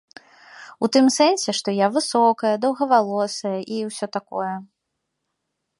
У тым сэнсе, што я высокая, доўгавалосая і ўсё такое.